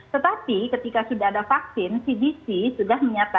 tetapi ketika sudah ada vaksin cdc sudah menyatakan